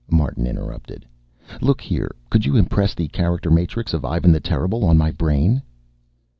Martin interrupted. "Look here, could you impress the character matrix of Ivan the Terrible on my brain?"